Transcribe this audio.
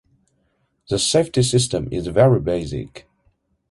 The safety system is very basic.